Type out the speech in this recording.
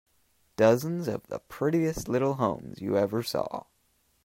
Dozens of the prettiest little homes you ever saw.